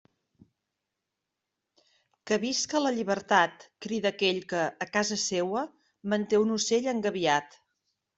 Que visca la llibertat, crida aquell que, a casa seua, manté un ocell engabiat.